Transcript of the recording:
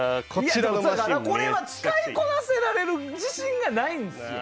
これは使いこなせる自信がないんですよ。